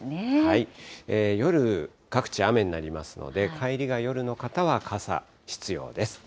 夜、各地、雨になりますので、帰りが夜の方は傘、必要です。